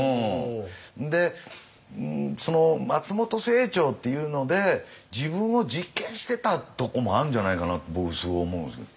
で松本清張っていうので自分を実験してたとこもあるんじゃないかなと僕すごい思うんですよ。